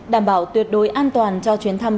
đảm bảo tuyệt đối an toàn cho chuyến thăm